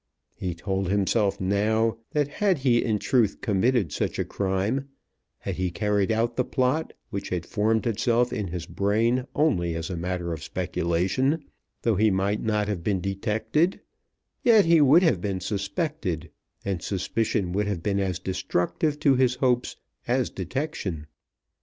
He told himself now that had he in truth committed such a crime, had he carried out the plot which had formed itself in his brain only as a matter of speculation, though he might not have been detected, yet he would have been suspected; and suspicion would have been as destructive to his hopes as detection.